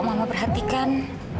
kau mau memperhatikan